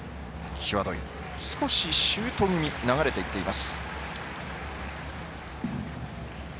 際どい少しシュート気味に流れていっています。